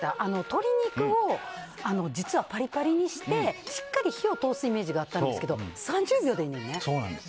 鶏肉を実はパリパリにしてしっかり火を通すイメージがあったんですけど３０秒でいいねんな。